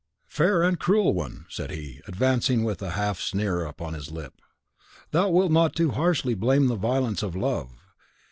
"Fair and cruel one," said he, advancing with a half sneer upon his lip, "thou wilt not too harshly blame the violence of love."